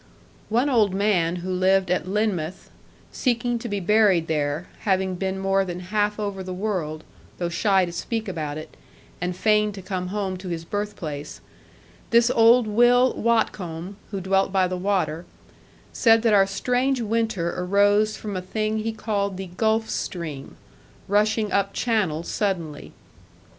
One old man who lived at Lynmouth, seeking to be buried there, having been more than half over the world, though shy to speak about it, and fain to come home to his birthplace, this old Will Watcombe (who dwelt by the water) said that our strange winter arose from a thing he called the 'Gulf stream', rushing up Channel suddenly.